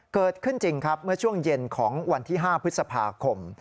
เกิดขึ้นจริงครับเมื่อช่วงเย็นของวันที่๕พฤษภาคม